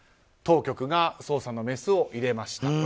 当局が捜査のメスを入れました。